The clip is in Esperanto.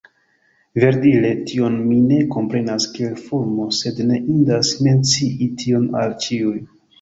Verdire tion mi ne komprenas kiel fulmo, sed ne indas mencii tion al ĉiuj.